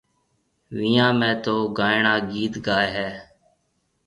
وِيهان ۾ تو گائڻا گِيت گائي هيَ۔